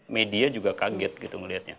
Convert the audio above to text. media juga kaget gitu melihatnya